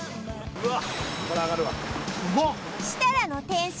うわっ！